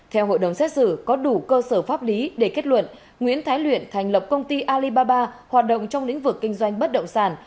theo hội đồng xét xử có đủ cơ sở pháp lý để kết luận nguyễn thái luyện thành lập công ty alibaba hoạt động trong lĩnh vực kinh doanh bất động sản